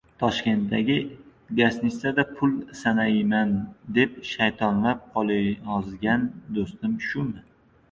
Toshkentdagi gastinisada pul sanayman deb shaytonlab qolayozgan do‘stim shumi?